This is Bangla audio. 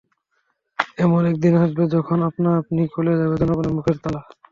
এমন একদিন আসবে যখন আপনা আপনিই খুলে যাবে জনগণের মুখের তালা।